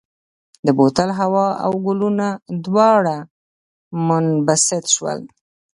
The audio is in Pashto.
د بوتل هوا او ګلوله دواړه منبسط شول.